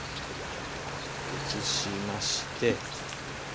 ちょっと移しまして。